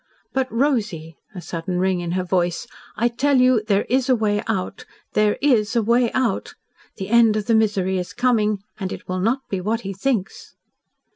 But, Rosy," a sudden ring in her voice, "I tell you there is a way out there is a way out! The end of the misery is coming and it will not be what he thinks."